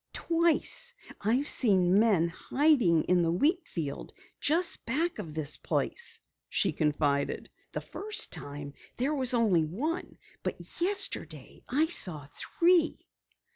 "Twice I've seen men hiding in the wheat field just back of this place," she confided. "The first time there was only one, but yesterday I saw three."